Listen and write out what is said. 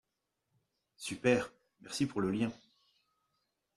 Super, merci pour le lien